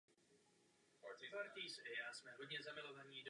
Vzápětí se skupinka pěti mladých lidí vydala ke Starému mostu.